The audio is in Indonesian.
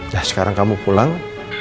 nah sekarang kamu pulang